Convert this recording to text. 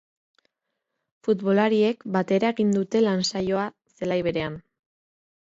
Futbolariek batera egin dute lansaioa zelai berean.